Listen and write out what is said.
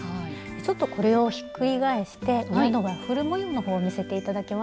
ちょっとこれをひっくり返して上のワッフル模様の方を見せて頂けますか？